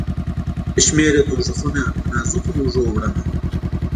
دا بې شمیره دوږخونه په نازکو اوږو، وړمه